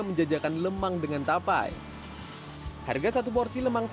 ada jugagrt enggak cuma saya nyuruh yaichtk atau berubah nanti saya tar scheme hai sih